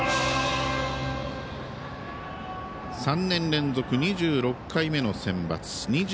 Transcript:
３年連続２６回目のセンバツ。